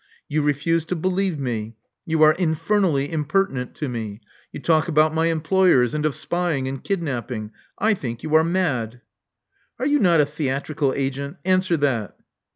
You refuse to believe me; you are infernally impertinent to me; you talk about my employers and of spying and kidnapping: I think you are mad." Are you not a theatrical agent? Answer that."